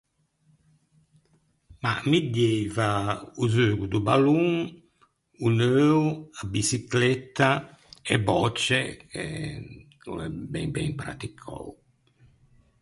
Mah mi dieiva o zeugo do ballon, o neuo, a biçicletta, e bòcce eh o l’é ben ben pratticou.